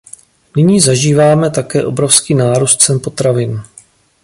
Nyní zažíváme také obrovský nárůst cen potravin.